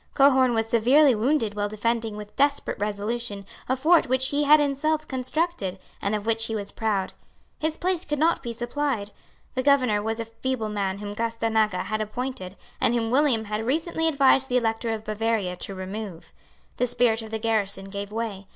Cohorn was severely wounded while defending with desperate resolution a fort which he had himself constructed, and of which he was proud. His place could not be supplied. The governor was a feeble man whom Gastanaga had appointed, and whom William had recently advised the Elector of Bavaria to remove. The spirit of the garrison gave way.